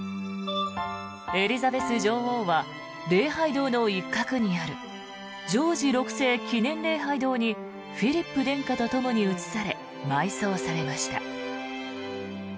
エリザベス女王は礼拝堂の一角にあるジョージ６世記念礼拝堂にフィリップ殿下とともに移され埋葬されました。